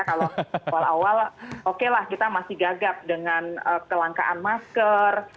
kalau awal awal oke lah kita masih gagap dengan kelangkaan masker